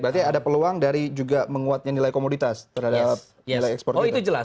berarti ada peluang dari juga menguatnya nilai komoditas terhadap nilai ekspor kita jelas